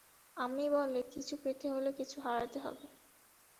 আম্মি বলে, কিছু পেতে হলে কিছু হারাতে হবে।